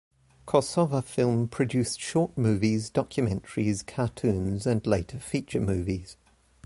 Kosovafilm produced short movies, documentaries, cartoons and later feature movies.